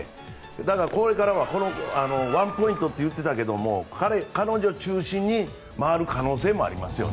だから、これからはワンポイントと言っていたけど彼女中心に回る可能性もありますよね。